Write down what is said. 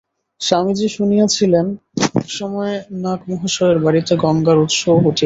স্বামীজী শুনিয়াছিলেন, এক সময়ে নাগ-মহাশয়ের বাড়ীতে গঙ্গার উৎস উঠিয়াছিল।